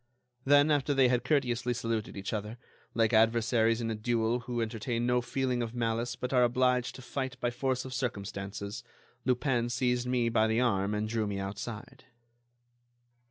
Then, after they had courteously saluted each other, like adversaries in a duel who entertain no feeling of malice but are obliged to fight by force of circumstances, Lupin seized me by the arm and drew me outside.